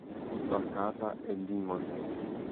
Fu sbarcata e lì morì.